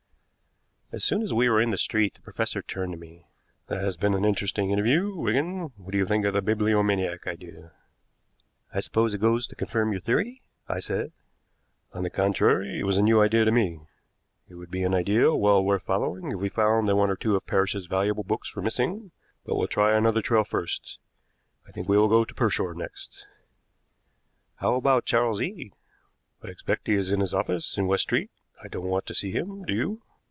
As soon as we were in the street the professor turned to me. "That has been an interesting interview, Wigan. What do you think of the bibliomaniac idea?" "I suppose it goes to confirm your theory?" I said. "On the contrary, it was a new idea to me. It would be an idea well worth following if we found that one or two of Parrish's valuable books were missing; but we'll try another trail first. I think we will go to Pershore next." "How about Charles Eade?" "I expect he is in his office in West Street. I don't want to see him. Do you?"